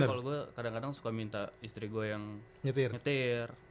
soalnya gue kadang kadang suka minta istri gue yang nyetir